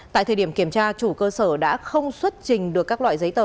tại thời điểm kiểm tra chủ cơ sở đã không xuất trình được các loại giấy tờ